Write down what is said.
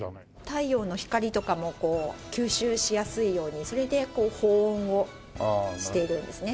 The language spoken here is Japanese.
太陽の光とかもこう吸収しやすいようにそれで保温をしているんですね。